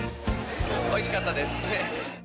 おいしかったです。